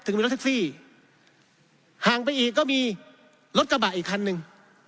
มีรถแท็กซี่ห่างไปอีกก็มีรถกระบะอีกคันหนึ่ง